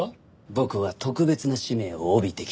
僕は特別な使命を帯びて来たんです。